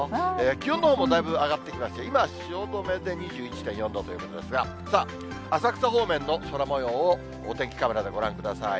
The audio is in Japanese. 気温のほうもだいぶ上がってきまして、今、汐留で２１．４度ということですが、さあ、浅草方面の空もようをお天気カメラでご覧ください。